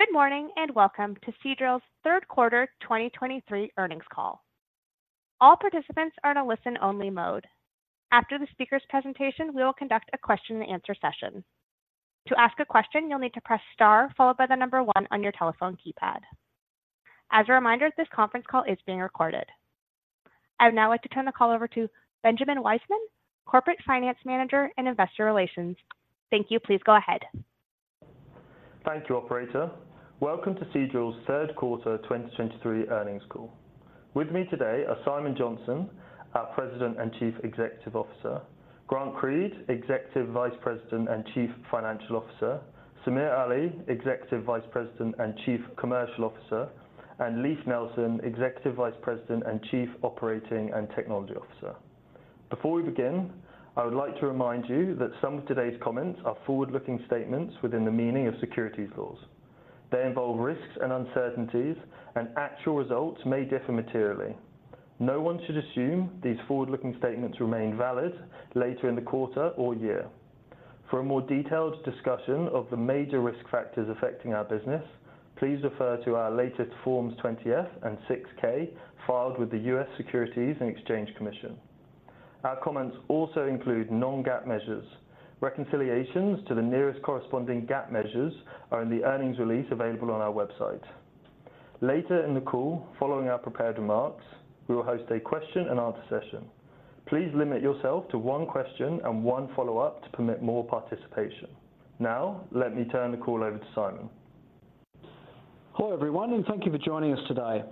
Good morning, and welcome to Seadrill's third quarter 2023 earnings call. All participants are in a listen-only mode. After the speaker's presentation, we will conduct a question and answer session. To ask a question, you'll need to press Star, followed by the number 1 on your telephone keypad. As a reminder, this conference call is being recorded. I would now like to turn the call over to Benjamin Wiseman, Corporate Finance Manager and Investor Relations. Thank you. Please go ahead. Thank you, operator. Welcome to Seadrill's third quarter 2023 earnings call. With me today are Simon Johnson, our President and Chief Executive Officer, Grant Creed, Executive Vice President and Chief Financial Officer, Samir Ali, Executive Vice President and Chief Commercial Officer, and Leif Nelson, Executive Vice President and Chief Operating and Technology Officer. Before we begin, I would like to remind you that some of today's comments are forward-looking statements within the meaning of securities laws. They involve risks and uncertainties, and actual results may differ materially. No one should assume these forward-looking statements remain valid later in the quarter or year. For a more detailed discussion of the major risk factors affecting our business, please refer to our latest Forms 20-F and 6-K, filed with the U.S. Securities and Exchange Commission. Our comments also include non-GAAP measures. Reconciliations to the nearest corresponding GAAP measures are in the earnings release available on our website. Later in the call, following our prepared remarks, we will host a question and answer session. Please limit yourself to one question and one follow-up to permit more participation. Now, let me turn the call over to Simon. Hello, everyone, and thank you for joining us today.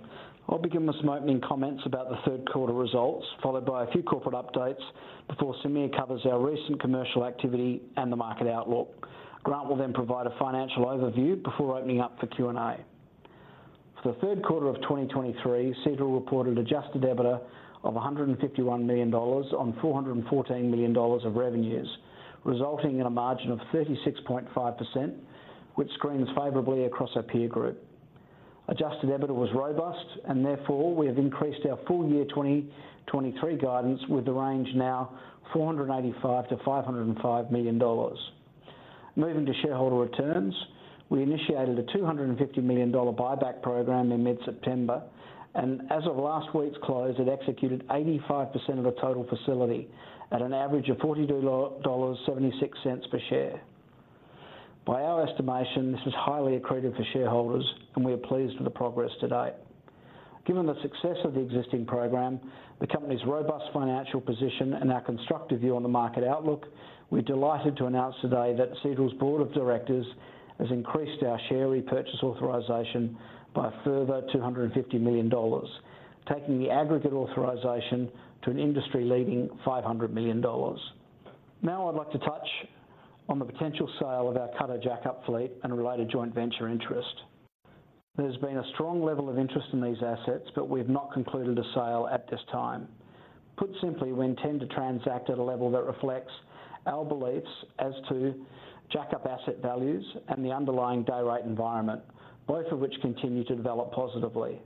I'll begin with some opening comments about the third quarter results, followed by a few corporate updates before Samir covers our recent commercial activity and the market outlook. Grant will then provide a financial overview before opening up for Q&A. For the third quarter of 2023, Seadrill reported adjusted EBITDA of $151,000,000 on $414,000,000 of revenues, resulting in a margin of 36.5%, which screens favorably across our peer group. Adjusted EBITDA was robust, and therefore, we have increased our full year 2023 guidance, with the range now $485,000,000-$505,000,000. Moving to shareholder returns, we initiated a $250,000,000 buyback program in mid-September, and as of last week's close, it executed 85% of the total facility at an average of $42.76 per share. By our estimation, this is highly accretive for shareholders, and we are pleased with the progress to date. Given the success of the existing program, the company's robust financial position and our constructive view on the market outlook, we're delighted to announce today that Seadrill's board of directors has increased our share repurchase authorization by a further $250,000,000, taking the aggregate authorization to an industry-leading $500,000,000. Now, I'd like to touch on the potential sale of our Qatar jackup fleet and related joint venture interest. There's been a strong level of interest in these assets, but we've not concluded a sale at this time. Put simply, we intend to transact at a level that reflects our beliefs as to jackup asset values and the underlying day rate environment, both of which continue to develop positively.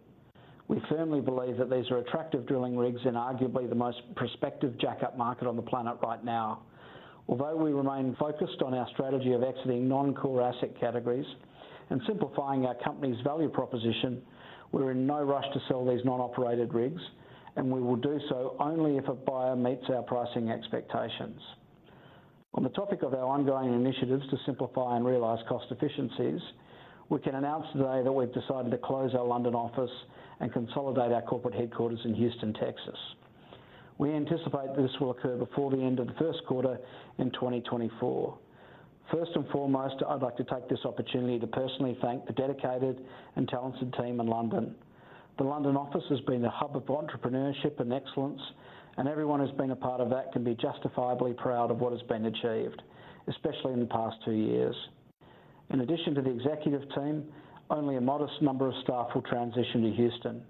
We firmly believe that these are attractive drilling rigs in arguably the most prospective jackup market on the planet right now. Although we remain focused on our strategy of exiting non-core asset categories and simplifying our company's value proposition, we're in no rush to sell these non-operated rigs, and we will do so only if a buyer meets our pricing expectations. On the topic of our ongoing initiatives to simplify and realize cost efficiencies, we can announce today that we've decided to close our London office and consolidate our corporate headquarters in Houston, Texas. We anticipate this will occur before the end of the first quarter in 2024. First and foremost, I'd like to take this opportunity to personally thank the dedicated and talented team in London. The London office has been a hub of entrepreneurship and excellence, and everyone who's been a part of that can be justifiably proud of what has been achieved, especially in the past two years. In addition to the executive team, only a modest number of staff will transition to Houston.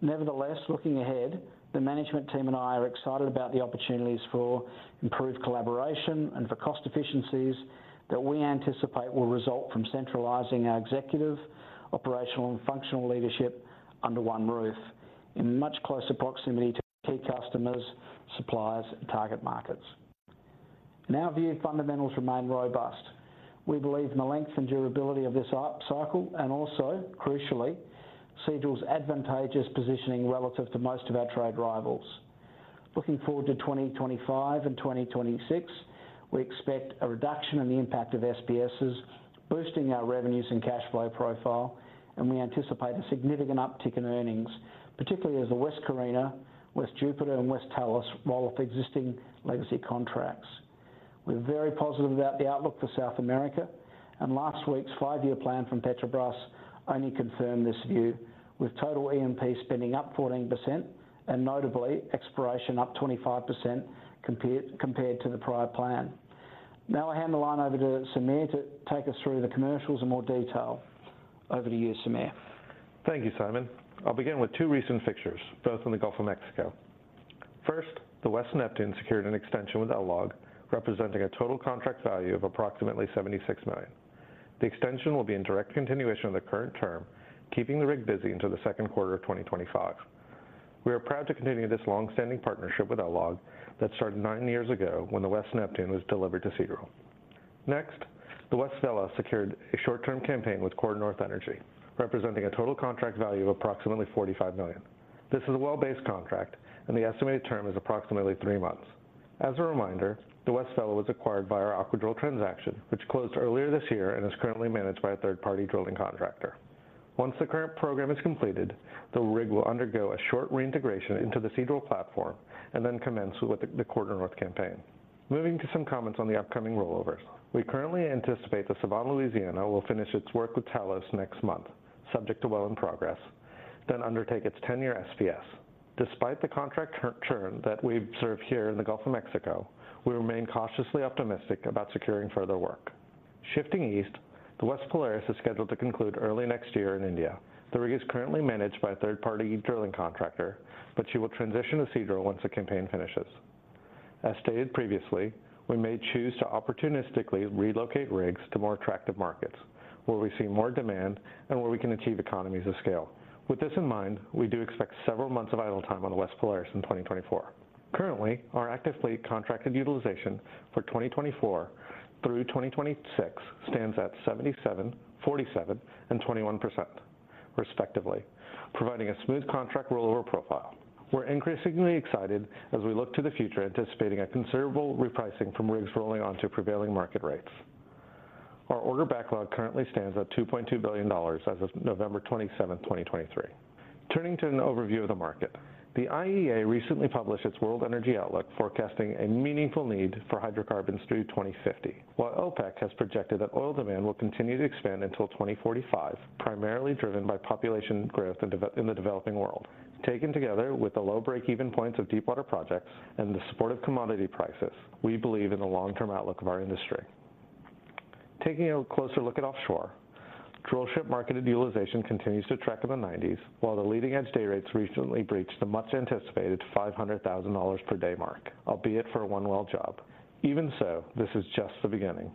Nevertheless, looking ahead, the management team and I are excited about the opportunities for improved collaboration and for cost efficiencies that we anticipate will result from centralizing our executive, operational, and functional leadership under one roof, in much closer proximity to key customers, suppliers, and target markets. In our view, fundamentals remain robust. We believe in the length and durability of this up cycle and also, crucially, Seadrill's advantageous positioning relative to most of our trade rivals. Looking forward to 2025 and 2026, we expect a reduction in the impact of SPSs, boosting our revenues and cash flow profile, and we anticipate a significant uptick in earnings, particularly as the West Carina, West Jupiter, and West Tellus roll off existing legacy contracts. We're very positive about the outlook for South America, and last week's five-year plan from Petrobras only confirmed this view, with total E&P spending up 14% and notably, exploration up 25% compared to the prior plan. Now I'll hand the line over to Samir to take us through the commercials in more detail. Over to you, Samir. Thank you, Simon. I'll begin with two recent fixtures, both in the Gulf of Mexico. First, the West Neptune secured an extension with LLOG, representing a total contract value of approximately $76,000,000. The extension will be in direct continuation of the current term, keeping the rig busy into the second quarter of 2025. We are proud to continue this long-standing partnership with LLOG that started nine years ago when the West Neptune was delivered to Seadrill. Next, the West Vela secured a short-term campaign with QuarterNorth Energy, representing a total contract value of approximately $45,000,000. This is a well-based contract, and the estimated term is approximately three months. As a reminder, the West Vela was acquired by our Aquadrill transaction, which closed earlier this year and is currently managed by a third-party drilling contractor. Once the current program is completed, the rig will undergo a short reintegration into the Seadrill platform and then commence with the QuarterNorth campaign. Moving to some comments on the upcoming rollovers. We currently anticipate the Sevan Louisiana will finish its work with Talos next month, subject to well in progress, then undertake its ten-year SPS. Despite the contract turn that we observe here in the Gulf of Mexico, we remain cautiously optimistic about securing further work. Shifting east, the West Polaris is scheduled to conclude early next year in India. The rig is currently managed by a third-party drilling contractor, but she will transition to Seadrill once the campaign finishes. As stated previously, we may choose to opportunistically relocate rigs to more attractive markets, where we see more demand and where we can achieve economies of scale. With this in mind, we do expect several months of idle time on the West Polaris in 2024. Currently, our actively contracted utilization for 2024 through 2026 stands at 77%, 47%, and 21% respectively, providing a smooth contract rollover profile. We're increasingly excited as we look to the future, anticipating a considerable repricing from rigs rolling onto prevailing market rates. Our order backlog currently stands at $2,200,000,000 as of November 27, 2023. Turning to an overview of the market. The IEA recently published its World Energy Outlook, forecasting a meaningful need for hydrocarbons through 2050, while OPEC has projected that oil demand will continue to expand until 2045, primarily driven by population growth in the developing world. Taken together with the low break-even points of deepwater projects and the supportive commodity prices, we believe in the long-term outlook of our industry. Taking a closer look at offshore, drillship marketed utilization continues to track in the 90s, while the leading-edge day rates recently breached the much-anticipated $500,000 per day mark, albeit for a one-well job. Even so, this is just the beginning.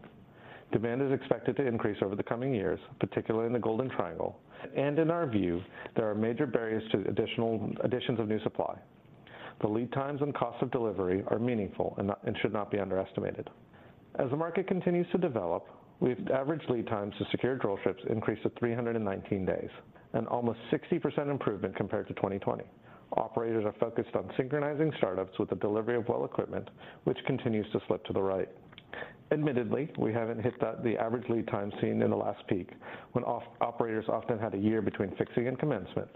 Demand is expected to increase over the coming years, particularly in the Golden Triangle, and in our view, there are major barriers to additional additions of new supply. The lead times and costs of delivery are meaningful and should not be underestimated. As the market continues to develop, we've averaged lead times to secure drillships increase to 319 days, and almost 60% improvement compared to 2020. Operators are focused on synchronizing startups with the delivery of well equipment, which continues to slip to the right. Admittedly, we haven't hit the average lead time seen in the last peak when offshore operators often had a year between fixing and commencement.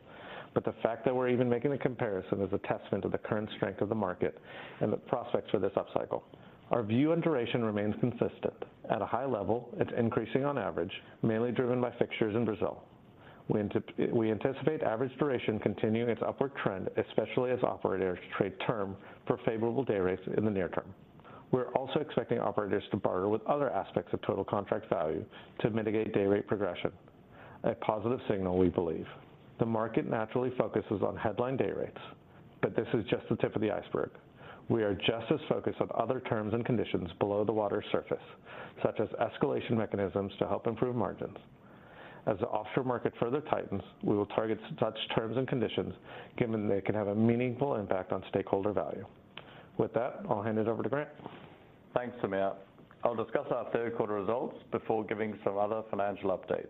But the fact that we're even making the comparison is a testament to the current strength of the market and the prospects for this upcycle. Our view and duration remains consistent. At a high level, it's increasing on average, mainly driven by fixtures in Brazil. We anticipate average duration continuing its upward trend, especially as operators trade term for favorable day rates in the near term. We're also expecting operators to barter with other aspects of total contract value to mitigate day rate progression. A positive signal, we believe. The market naturally focuses on headline day rates, but this is just the tip of the iceberg. We are just as focused on other terms and conditions below the water surface, such as escalation mechanisms to help improve margins. As the offshore market further tightens, we will target such terms and conditions, given they can have a meaningful impact on stakeholder value. With that, I'll hand it over to Grant. Thanks, Samir. I'll discuss our third quarter results before giving some other financial updates.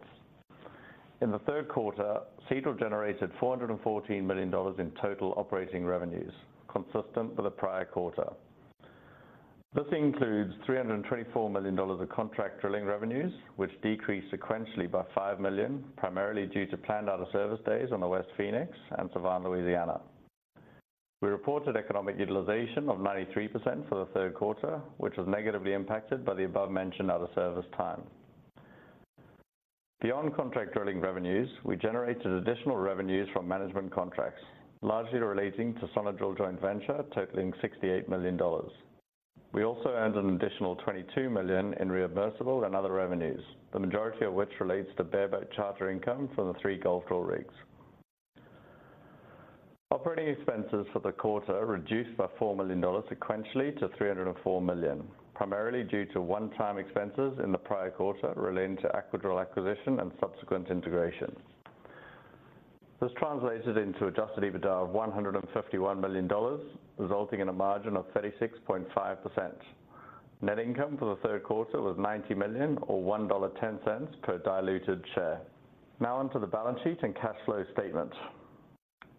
In the third quarter, Seadrill generated $414,000,000in total operating revenues, consistent with the prior quarter. This includes $324,000,000of contract drilling revenues, which decreased sequentially by $5,000,000, primarily due to planned out-of-service days on the West Phoenix and Sevan Louisiana. We reported economic utilization of 93% for the third quarter, which was negatively impacted by the above-mentioned out-of-service time. Beyond contract drilling revenues, we generated additional revenues from management contracts, largely relating to Sonadrill joint venture, totaling $68,000,000. We also earned an additional $22,000,000in reimbursable and other revenues, the majority of which relates to bareboat charter income from the 3 Gulfdrill rigs. Operating expenses for the quarter reduced by $4,000,000 sequentially to $304,000,000, primarily due to one-time expenses in the prior quarter relating to Aquadrill acquisition and subsequent integration. This translated into Adjusted EBITDA of $151,000,000, resulting in a margin of 36.5%. Net income for the third quarter was $90,000,000 or $1.10 per diluted share. Now on to the balance sheet and cash flow statement.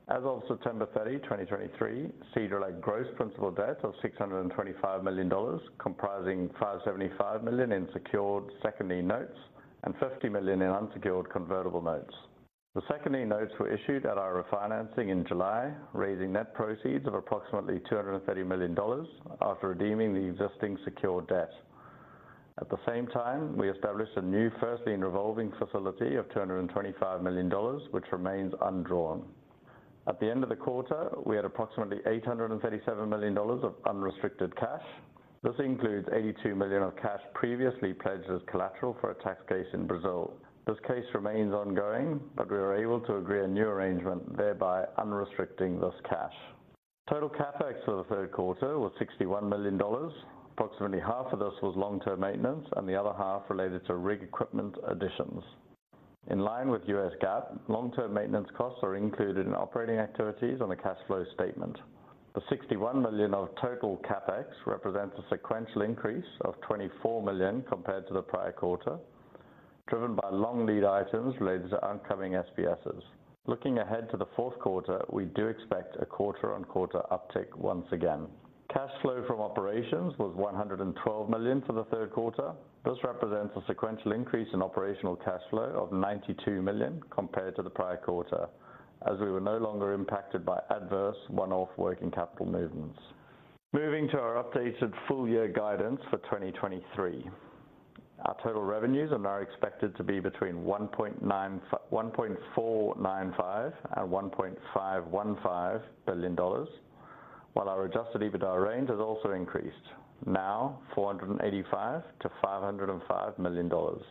As of September 30, 2023, Seadrill had gross principal debt of $625,000,000, comprising $575,000,000in secured second lien notes and $50,000,000in unsecured convertible notes. The second lien notes were issued at our refinancing in July, raising net proceeds of approximately $230,000,000 after redeeming the existing secured debt. At the same time, we established a new first lien revolving facility of $225,000,000, which remains undrawn. At the end of the quarter, we had approximately $837,000,000 of unrestricted cash. This includes $82,000,000 of cash previously pledged as collateral for a tax case in Brazil. This case remains ongoing, but we were able to agree a new arrangement, thereby unrestricted this cash. Total CapEx for the third quarter was $61,000,000. Approximately half of this was long-term maintenance, and the other half related to rig equipment additions. In line with US GAAP, long-term maintenance costs are included in operating activities on a cash flow statement. The $61,000,000 of total CapEx represents a sequential increase of $24,000,000compared to the prior quarter, driven by long lead items related to oncoming SPSs. Looking ahead to the fourth quarter, we do expect a quarter on quarter uptick once again. Cash flow from operations was $112,000,000 for the third quarter. This represents a sequential increase in operational cash flow of $92,000,000 compared to the prior quarter, as we were no longer impacted by adverse one-off working capital movements. Moving to our updated full year guidance for 2023. Our total revenues are now expected to be between $1,495,000,000 and $1,515,000,000, while our Adjusted EBITDA range has also increased, now $485,000,000-$505,000,000.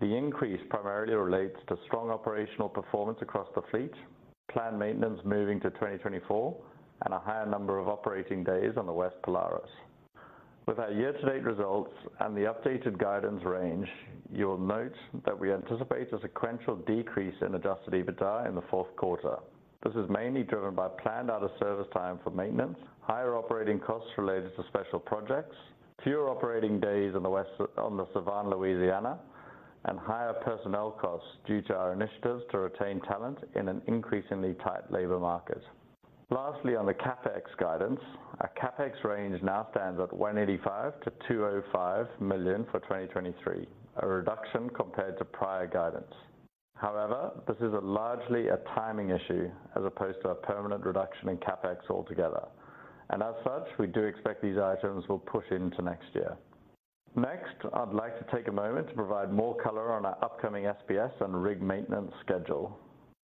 The increase primarily relates to strong operational performance across the fleet, planned maintenance moving to 2024, and a higher number of operating days on the West Polaris. With our year-to-date results and the updated guidance range, you will note that we anticipate a sequential decrease in adjusted EBITDA in the fourth quarter. This is mainly driven by planned out of service time for maintenance, higher operating costs related to special projects, fewer operating days on the Sevan Louisiana, and higher personnel costs due to our initiatives to retain talent in an increasingly tight labor market. Lastly, on the CapEx guidance, our CapEx range now stands at $185,000,000-$205,000,000for 2023, a reduction compared to prior guidance. However, this is largely a timing issue as opposed to a permanent reduction in CapEx altogether, and as such, we do expect these items will push into next year. Next, I'd like to take a moment to provide more color on our upcoming SPS and rig maintenance schedule.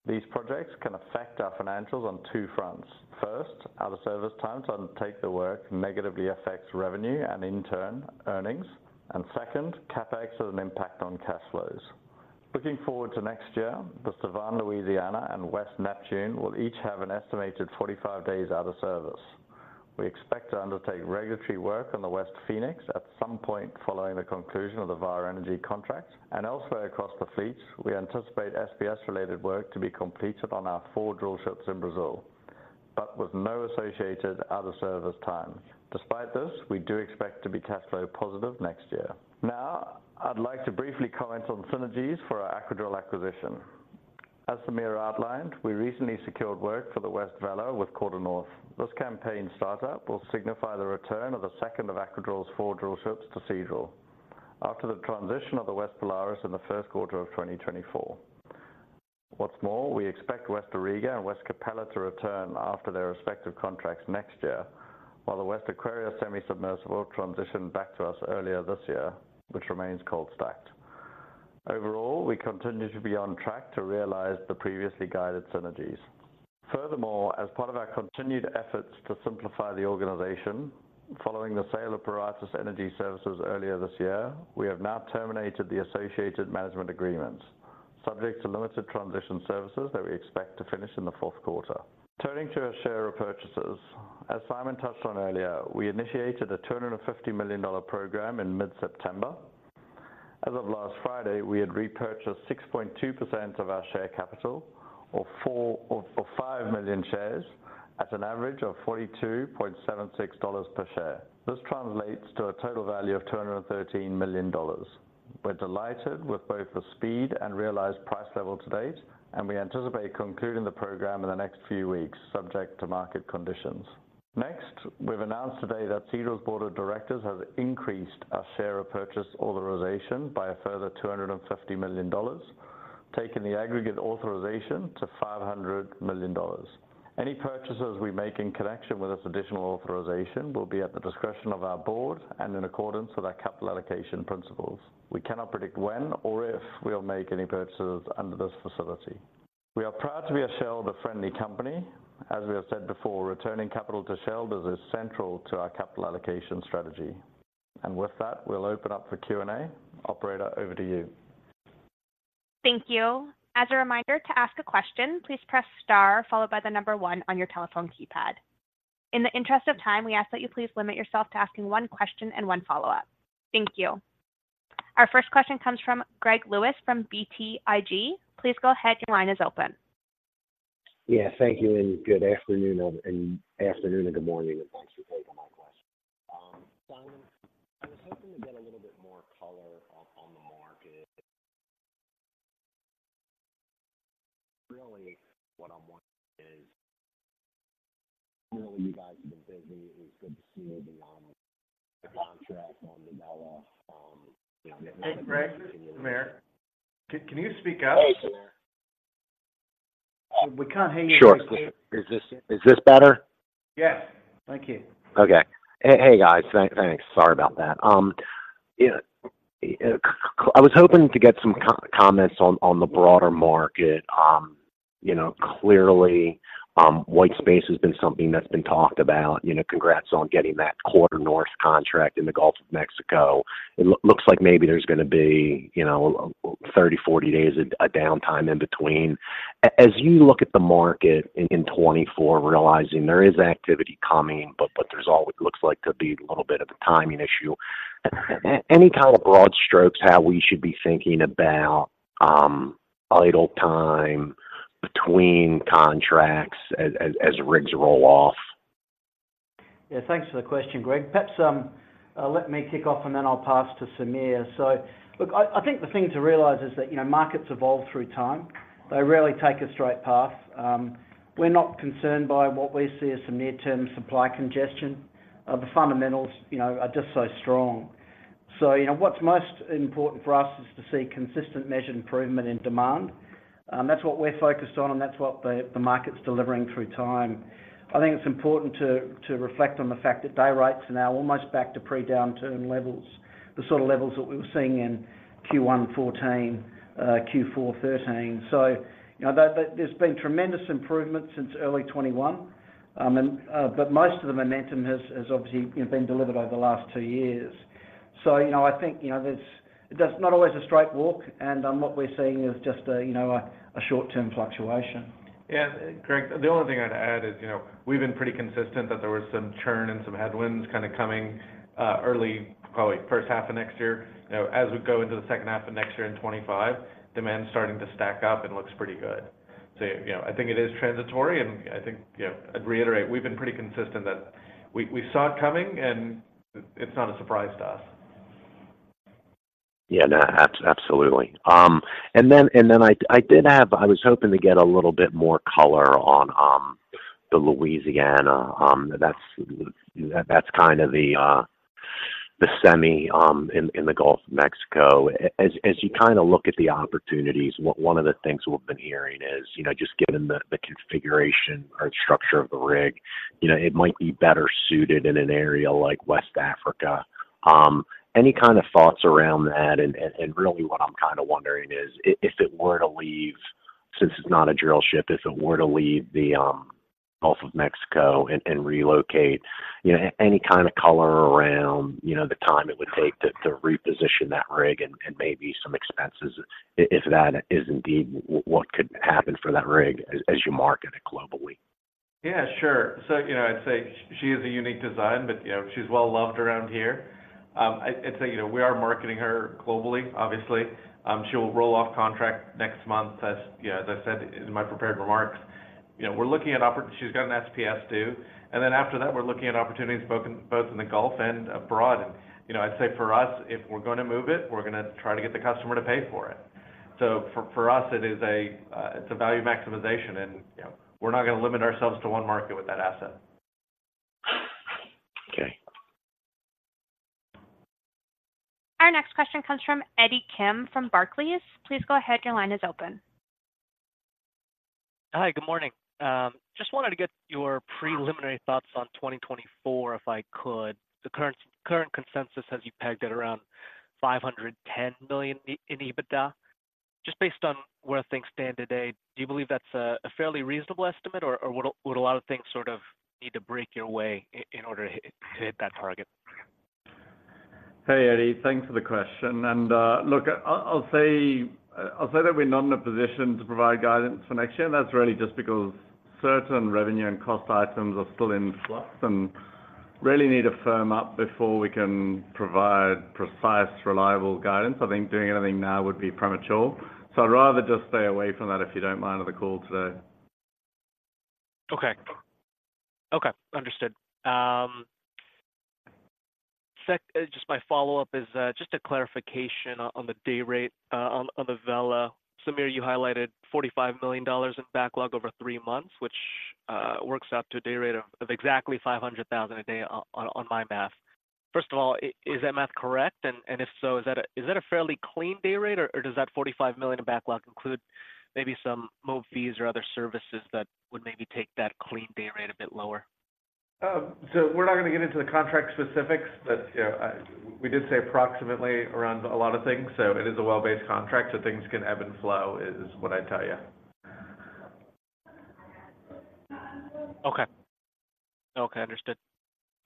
These projects can affect our financials on two fronts. First, out of service time to undertake the work negatively affects revenue and in turn, earnings, and second, CapEx has an impact on cash flows. Looking forward to next year, the Sevan Louisiana and West Neptune will each have an estimated 45 days out of service. We expect to undertake regulatory work on the West Phoenix at some point following the conclusion of the Vår Energi contract. And elsewhere across the fleet, we anticipate SPS-related work to be completed on our four drillships in Brazil, but with no associated out of service time. Despite this, we do expect to be cash flow positive next year. Now, I'd like to briefly comment on synergies for our Aquadrill acquisition. As Samir outlined, we recently secured work for the West Vela with QuarterNorth. This campaign startup will signify the return of the second of Aquadrill's four drill ships to Seadrill after the transition of the West Polaris in the first quarter of 2024. What's more, we expect West Auriga and West Capella to return after their respective contracts next year, while the West Aquarius semi-submersible transitioned back to us earlier this year, which remains cold stacked. Overall, we continue to be on track to realize the previously guided synergies. Furthermore, as part of our continued efforts to simplify the organization, following the sale of Paratus Energy Services earlier this year, we have now terminated the associated management agreements, subject to limited transition services that we expect to finish in the fourth quarter. Turning to our share repurchases. As Simon touched on earlier, we initiated a $250,000,000 program in mid-September. As of last Friday, we had repurchased 6.2% of our share capital, or 4,000,000 or 5,000,000 shares at an average of $42.76 per share. This translates to a total value of $213,000,000. We're delighted with both the speed and realized price level to date, and we anticipate concluding the program in the next few weeks, subject to market conditions. Next, we've announced today that Seadrill's board of directors has increased our share repurchase authorization by a further $250,000,000, taking the aggregate authorization to $500,000,000. Any purchases we make in connection with this additional authorization will be at the discretion of our board and in accordance with our capital allocation principles. We cannot predict when or if we will make any purchases under this facility. We are proud to be a shareholder-friendly company. As we have said before, returning capital to shareholders is central to our capital allocation strategy. With that, we'll open up for Q&A. Operator, over to you. Thank you. As a reminder to ask a question, please press star followed by the number one on your telephone keypad. In the interest of time, we ask that you please limit yourself to asking one question and one follow-up. Thank you. Our first question comes from Greg Lewis from BTIG. Please go ahead. Your line is open. Yeah, thank you, and good afternoon and afternoon, and good morning. Thanks for taking my question. Simon, I was hoping to get a little bit more color on, on the market. Really, what I'm wanting is, really you guys have been busy. It was good to see the contract on the Vela, you know- Hey, Greg, Samir. Can you speak up? Hey, Samir. We can't hear you. Sure. Is this, is this better? Yes. Thank you. Okay. Hey, hey, guys. Thanks. Sorry about that. Yeah, I was hoping to get some comments on, on the broader market. You know, clearly, white space has been something that's been talked about. You know, congrats on getting that QuarterNorth contract in the Gulf of Mexico. It looks like maybe there's gonna be, you know, 30, 40 days of a downtime in between.... As you look at the market in 2024, realizing there is activity coming, but there's all it looks like to be a little bit of a timing issue. Any kind of broad strokes, how we should be thinking about idle time between contracts as rigs roll off? Yeah, thanks for the question, Greg. Perhaps, let me kick off and then I'll pass to Samir. So look, I, I think the thing to realize is that, you know, markets evolve through time. They rarely take a straight path. We're not concerned by what we see as some near-term supply congestion. The fundamentals, you know, are just so strong. So, you know, what's most important for us is to see consistent measured improvement in demand. That's what we're focused on, and that's what the, the market's delivering through time. I think it's important to, to reflect on the fact that day rates are now almost back to pre-downturn levels, the sort of levels that we were seeing in Q1 2014, Q4 2013. So, you know, there, there's been tremendous improvement since early 2021. But most of the momentum has obviously, you know, been delivered over the last two years. So, you know, I think, you know, there's, that's not always a straight walk, and what we're seeing is just a, you know, short-term fluctuation. Yeah, Greg, the only thing I'd add is, you know, we've been pretty consistent that there was some churn and some headwinds kinda coming early, probably first half of next year. You know, as we go into the second half of next year in 2025, demand is starting to stack up and looks pretty good. So, you know, I think it is transitory, and I think, you know, I'd reiterate, we've been pretty consistent that we saw it coming, and it's not a surprise to us. Yeah. No, absolutely. And then I did have—I was hoping to get a little bit more color on the Louisiana. That's kind of the semi in the Gulf of Mexico. As you kinda look at the opportunities, one of the things we've been hearing is, you know, just given the configuration or structure of the rig, you know, it might be better suited in an area like West Africa. Any kind of thoughts around that? Really what I'm kinda wondering is, if it were to leave, since it's not a drillship, if it were to leave the Gulf of Mexico and relocate, you know, any kind of color around, you know, the time it would take to reposition that rig and maybe some expenses, if that is indeed what could happen for that rig as you market it globally? Yeah, sure. So, you know, I'd say she is a unique design, but, you know, she's well loved around here. I'd say, you know, we are marketing her globally, obviously. She will roll off contract next month, as you know, as I said in my prepared remarks. You know, we're looking at—She's got an SPS due, and then after that, we're looking at opportunities both in the Gulf and abroad. And, you know, I'd say for us, if we're gonna move it, we're gonna try to get the customer to pay for it. So for us, it is a value maximization, and, you know, we're not gonna limit ourselves to one market with that asset. Okay. Our next question comes from Eddie Kim from Barclays. Please go ahead. Your line is open. Hi, good morning. Just wanted to get your preliminary thoughts on 2024, if I could. The current consensus has you pegged at around $510,000,000in EBITDA. Just based on where things stand today, do you believe that's a fairly reasonable estimate, or would a lot of things sort of need to break your way in order to hit that target? Hey, Eddie. Thanks for the question, and look, I'll say that we're not in a position to provide guidance for next year. That's really just because certain revenue and cost items are still in flux and really need to firm up before we can provide precise, reliable guidance. I think doing anything now would be premature, so I'd rather just stay away from that, if you don't mind, on the call today. Okay. Okay, understood. Just my follow-up is just a clarification on the day rate on the Vela. Samir, you highlighted $45,000,000in backlog over three months, which works out to a day rate of exactly $500,000 a day on my math. First of all, is that math correct? And if so, is that a fairly clean day rate, or does that $45,000,000in backlog include maybe some move fees or other services that would maybe take that clean day rate a bit lower? So we're not gonna get into the contract specifics, but, you know, we did say approximately around a lot of things. So it is a well-based contract, so things can ebb and flow, is what I'd tell you. Okay. Okay, understood.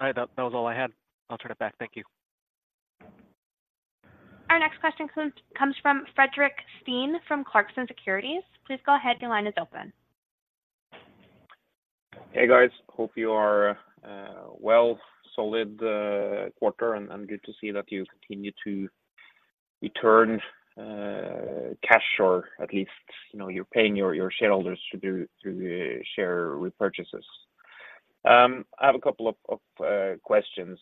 All right, that, that was all I had. I'll turn it back. Thank you. Our next question comes from Fredrik Stene from Clarksons Securities. Please go ahead. Your line is open. Hey, guys. Hope you are well, solid quarter, and good to see that you continue to return cash, or at least, you know, you're paying your shareholders through share repurchases. I have a couple of questions.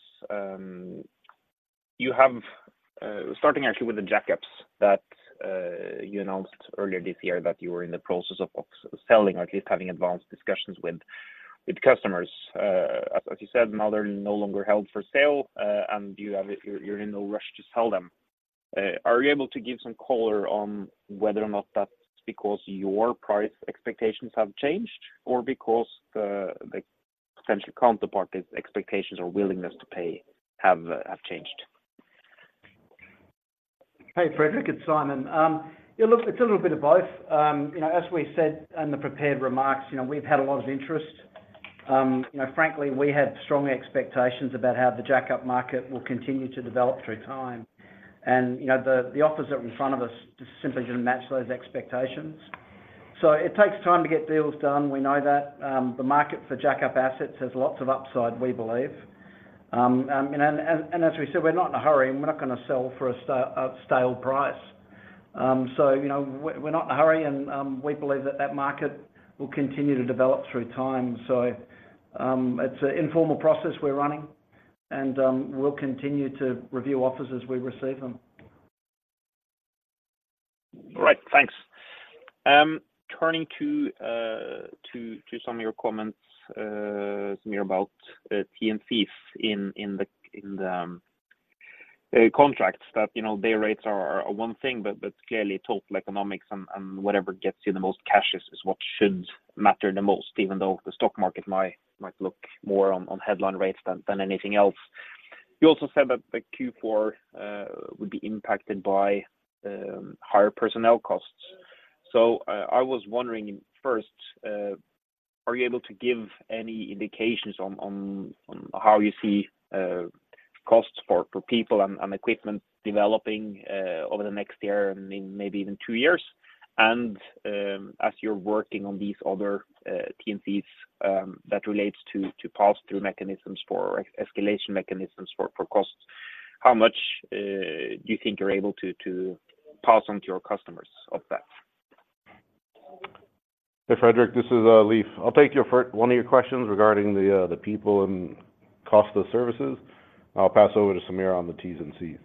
You have, starting actually with the jackups that you announced earlier this year that you were in the process of selling, or at least having advanced discussions with customers. As you said, now they're no longer held for sale, and you have... You're in no rush to sell them. Are you able to give some color on whether or not that's because your price expectations have changed, or because the potential counterparties expectations or willingness to pay have changed? Hey, Fredrik, it's Simon. Yeah, look, it's a little bit of both. You know, as we said in the prepared remarks, you know, we've had a lot of interest... you know, frankly, we had strong expectations about how the jackup market will continue to develop through time. You know, the offers that were in front of us just simply didn't match those expectations. So it takes time to get deals done, we know that. The market for jackup assets has lots of upside, we believe. And as we said, we're not in a hurry, and we're not gonna sell for a stale price. So, you know, we're not in a hurry, and we believe that market will continue to develop through time. So, it's an informal process we're running, and we'll continue to review offers as we receive them. Great, thanks. Turning to some of your comments, Samir, about T&Cs in the contracts, that you know day rates are one thing, but clearly total economics and whatever gets you the most cashes is what should matter the most, even though the stock market might look more on headline rates than anything else. You also said that the Q4 would be impacted by higher personnel costs. So, I was wondering, first, are you able to give any indications on how you see costs for people and equipment developing over the next year and maybe even two years? As you're working on these other T&Cs that relates to pass-through mechanisms for escalation mechanisms for costs, how much do you think you're able to pass on to your customers of that? Hey, Fredrik, this is Leif. I'll take one of your questions regarding the people and cost of services. I'll pass over to Samir on the T's and C's.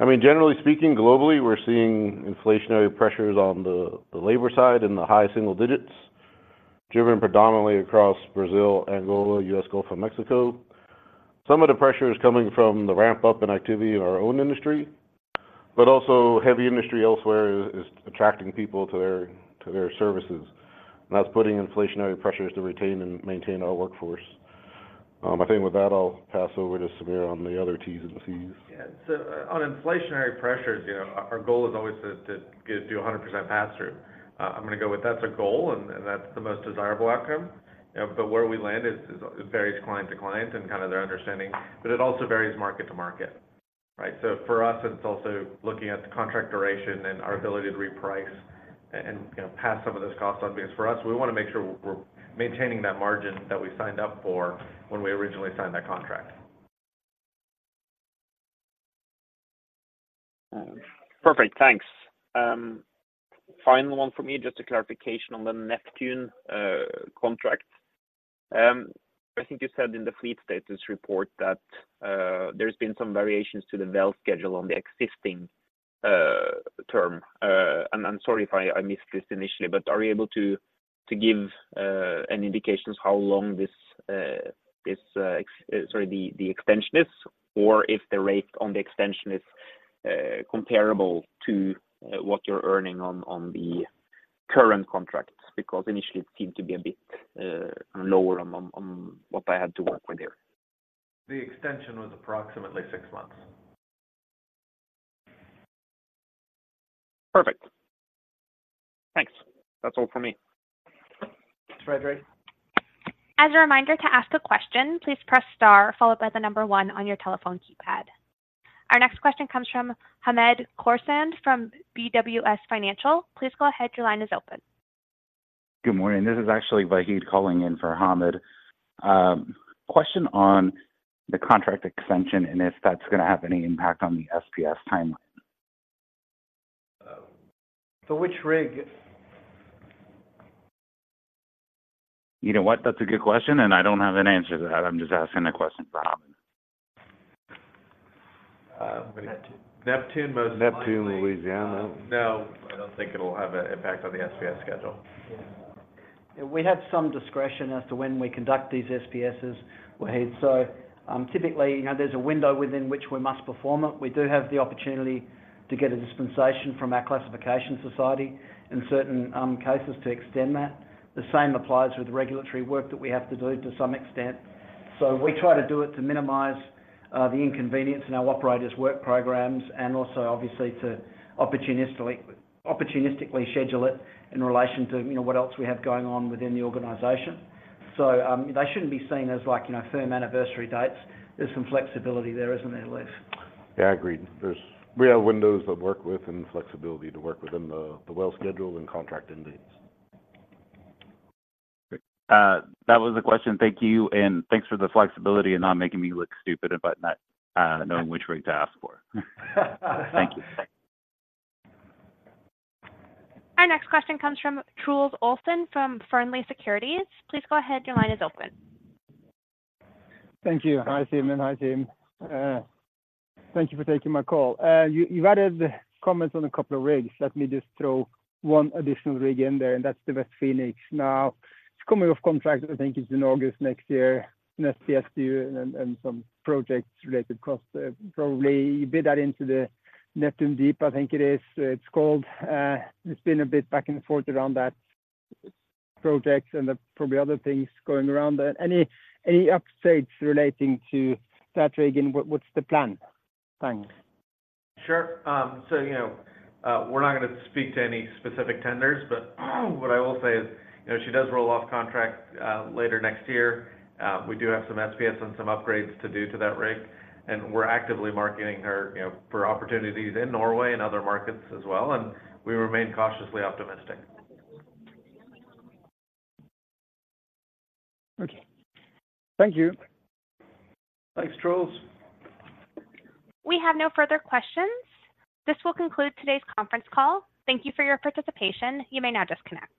I mean, generally speaking, globally, we're seeing inflationary pressures on the labor side in the high single digits, driven predominantly across Brazil, Angola, U.S., Gulf of Mexico. Some of the pressure is coming from the ramp-up in activity in our own industry, but also heavy industry elsewhere is attracting people to their services, and that's putting inflationary pressures to retain and maintain our workforce. I think with that, I'll pass over to Samir on the other T's and C's. Yeah. So on inflationary pressures, you know, our goal is always to give you 100% pass-through. Uh, I'm gonna go with that's a goal, and that's the most desirable outcome. But where we land is varies client to client and kind of their understanding, but it also varies market to market, right? So for us, it's also looking at the contract duration and our ability to reprice and, you know, pass some of those costs on, because for us, we wanna make sure we're maintaining that margin that we signed up for when we originally signed that contract. Perfect. Thanks. Final one for me, just a clarification on the Neptune contract. I think you said in the fleet status report that there's been some variations to the well schedule on the existing term. And I'm sorry if I missed this initially, but are you able to give an indication of how long this extension is, or if the rate on the extension is comparable to what you're earning on the current contracts? Because initially, it seemed to be a bit lower on what I had to work with there. The extension was approximately six months. Perfect. Thanks. That's all for me. Thanks, Frederick. As a reminder, to ask a question, please press star followed by the number one on your telephone keypad. Our next question comes from Hamed Khorsand from BWS Financial. Please go ahead. Your line is open. Good morning, this is actually Vahid calling in for Hamed. Question on the contract extension and if that's gonna have any impact on the SPS timeline. For which rig? You know what? That's a good question, and I don't have an answer to that. I'm just asking the question for Hamed. Uh, Neptune. Neptune, Louisiana. Neptune, Louisiana. No, I don't think it'll have an impact on the SPS schedule. Yeah. We have some discretion as to when we conduct these SPSs, Vahid. So, typically, you know, there's a window within which we must perform it. We do have the opportunity to get a dispensation from our classification society in certain cases to extend that. The same applies with regulatory work that we have to do to some extent. So we try to do it to minimize the inconvenience in our operators work programs, and also obviously to opportunistically schedule it in relation to, you know, what else we have going on within the organization. So, they shouldn't be seen as like, you know, firm anniversary dates. There's some flexibility there, isn't there, Leif? Yeah, I agree. We have windows to work with and flexibility to work within the well schedule and contract end dates. That was the question. Thank you, and thanks for the flexibility and not making me look stupid about not knowing which rig to ask for. Thank you. Our next question comes from Truls Olsen from Pareto Securities. Please go ahead. Your line is open. Thank you. Hi, Simon. Hi, team. Thank you for taking my call. You've added comments on a couple of rigs. Let me just throw one additional rig in there, and that's the West Phoenix. Now, it's coming off contract, I think it's in August next year, an SPS deal and some project-related costs. Probably you bid that into the Neptun Deep, I think it is, it's called. It's been a bit back and forth around that project and probably other things going around. Any updates relating to that rig and what's the plan? Thanks. Sure. So, you know, we're not gonna speak to any specific tenders, but what I will say is, you know, she does roll off contract later next year. We do have some SPS and some upgrades to do to that rig, and we're actively marketing her, you know, for opportunities in Norway and other markets as well, and we remain cautiously optimistic. Okay. Thank you. Thanks, Truls. We have no further questions. This will conclude today's conference call. Thank you for your participation. You may now disconnect.